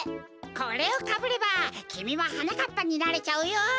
これをかぶればきみもはなかっぱになれちゃうよ！